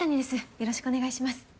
よろしくお願いします。